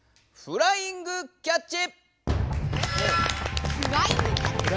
フライングキャッチ。